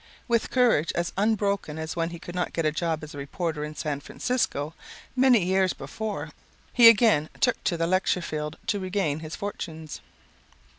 With courage as unbroken as when he could not get a job as reporter in San Francisco many years before he again took to the lecture field to regain his fortunes.